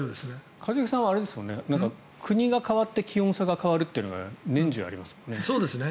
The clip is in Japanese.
一茂さんは国が変わって気温差が変わるというのがそうですね。